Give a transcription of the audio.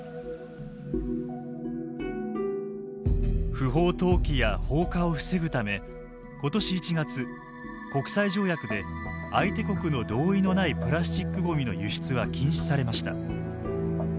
不法投棄や放火を防ぐため今年１月国際条約で相手国の同意のないプラスチックごみの輸出は禁止されました。